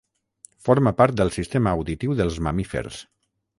Forma part del sistema auditiu dels mamífers.